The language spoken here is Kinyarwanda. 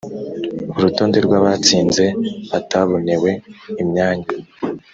urutonde rw abatsinze batabonewe imyanya